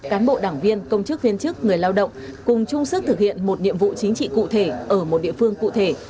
cán bộ đảng viên công chức viên chức người lao động cùng chung sức thực hiện một nhiệm vụ chính trị cụ thể ở một địa phương cụ thể